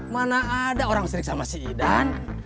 mana ada orang sering sama si idan